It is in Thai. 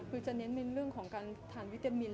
คือจะเน้นในเรื่องของการทานวิตามิน